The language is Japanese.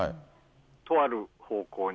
とある方向に。